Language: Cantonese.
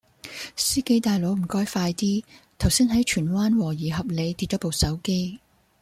司機大佬唔該快啲，頭先喺荃灣和宜合里跌左部手機